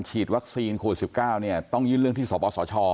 ฉีดวัคซีนโควิด๑๙ต้องยื่นเรื่องที่สปสช